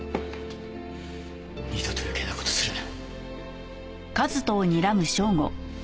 二度と余計な事するな。